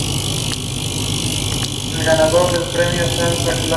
Solamente algunas partes de la cabeza quedan al descubierto y pueden resultar heridas.